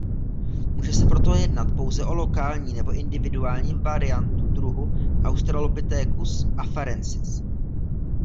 Může se proto jednat pouze o lokální nebo individuální variantu druhu "Australopithecus afarensis".